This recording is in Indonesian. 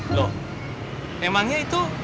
loh emangnya itu